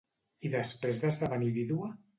I després d'esdevenir vídua?